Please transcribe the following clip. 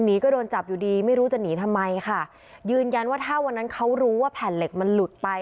ก็โดนจับอยู่ดีไม่รู้จะหนีทำไมค่ะยืนยันว่าถ้าวันนั้นเขารู้ว่าแผ่นเหล็กมันหลุดไป